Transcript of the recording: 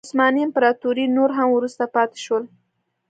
عثماني امپراتوري نور هم وروسته پاتې شول.